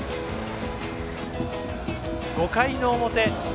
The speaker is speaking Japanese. ５回の表。